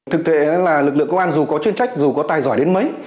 thực tế là lực lượng công an dù có chuyên trách dù có tài giỏi đến mấy